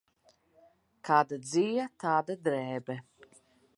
Kāda dzija, tāda drēbe.